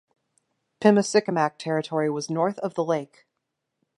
Pimicikamak territory was north of the lake.